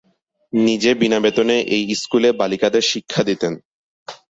নিজে বিনা বেতনে এই স্কুলে বালিকাদের শিক্ষা দিতেন।